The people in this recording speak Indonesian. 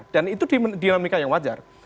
dan itu dinamika yang wajar